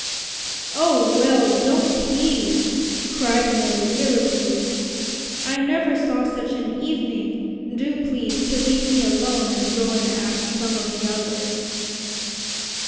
"Oh, Will, don't tease," cried Milly irritably. "I never saw such an evening. Do please to leave me alone and go and ask some of the others."